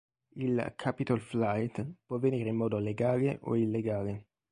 Il "capital flight" può avvenire in modo legale o illegale.